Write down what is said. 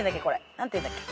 何ていうんだっけ。